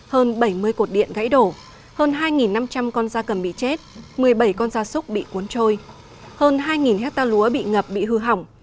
hơn bảy mươi cột điện gãy đổ hơn hai năm trăm linh con da cầm bị chết một mươi bảy con da súc bị cuốn trôi hơn hai hectare lúa bị ngập bị hư hỏng